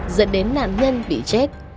dẫn đến nạn nhân bị chết